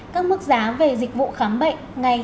các mức giá về dịch vụ khám bệnh